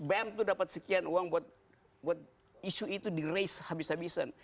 bem itu dapat sekian uang buat isu itu di race habis habisan